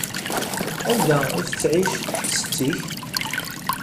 Anda i tettƐic setti-k?